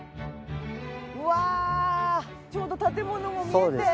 うわちょうど建物も見えて。